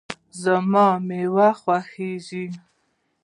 زما مېوه خوښیږي